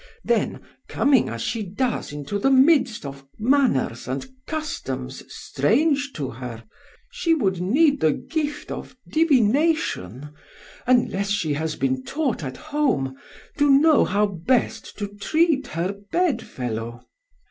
Then coming as she does into the midst of manners and customs strange to her, she would need the gift of divination unless she has been taught at home to know how best to treat her bed fellow.